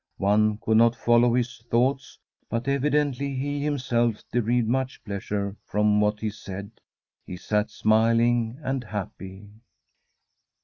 One could not fol low his thoughts, but evidently he himself de rived much pleasure from what he said. He sat smiling and happy.